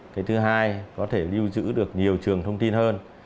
cái thứ hai có thể lưu giữ được nhiều trường thông tin hơn